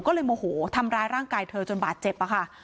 ก็เลยโมโหทำร้ายร่างกายเธอจนบาดเจ็บอะค่ะ